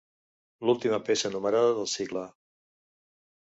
L'última peça numerada del cicle.